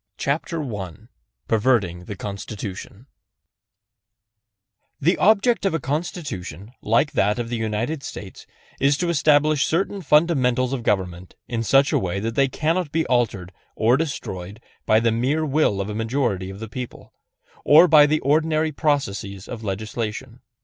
CHAPTER I PERVERTING THE CONSTITUTION THE object of a Constitution like that of the United States is to establish certain fundamentals of government in such a way that they cannot be altered or destroyed by the mere will of a majority of the people, or by the ordinary processes of legislation.